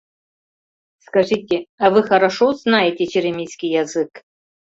Скажите, а вы хорошо знаете черемисский язык?